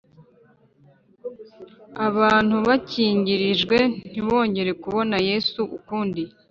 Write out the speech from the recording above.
abantu bakingirijwe ntibongere kubona Yesu ukundi